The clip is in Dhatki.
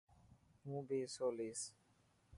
هون بي حصو ليسن.